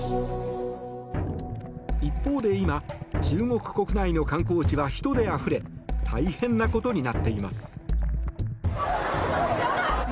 一方で今、中国国内の観光地は人であふれ大変なことになっています。